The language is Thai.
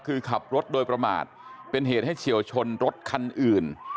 คือขับรถโดยประมาทเป็นเหตุให้เฉียวชนรถคันอื่น